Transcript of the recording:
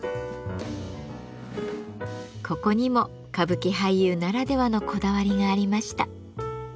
ここにも歌舞伎俳優ならではのこだわりがありました。